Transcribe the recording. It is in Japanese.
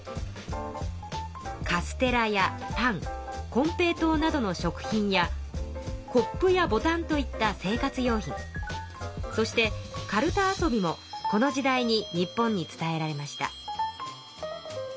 カステラやパンコンペイトウなどの食品やコップやボタンといった生活用品そしてカルタ遊びもこの時代に日本に伝えられました。